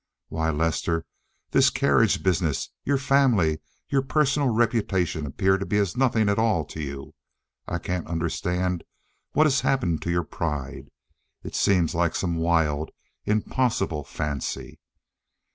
Why, Lester, this carriage business, your family, your personal reputation appear to be as nothing at all to you. I can't understand what has happened to your pride. It seems like some wild, impossible fancy."